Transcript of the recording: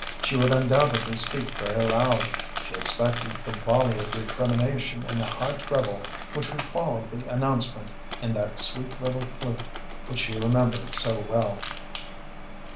She would undoubtedly speak very loud. She expected the volley of recrimination in a high treble which would follow the announcement in that sweet little flute which she remembered so well.